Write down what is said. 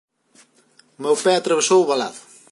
O meu pé atravesou o valado.